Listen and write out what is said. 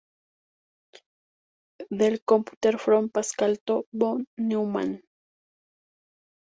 The Computer from Pascal to von Neumann.